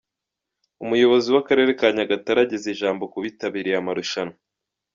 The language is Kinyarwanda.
Umuyobozi w’akarere ka Nyagatare ageza ijambo ku bitabiriye amarushanwa.